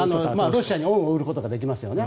ロシアに恩を売ることができますよね。